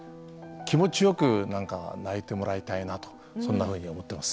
気持ちよく泣いてもらいたいなとそんなふうに思っています。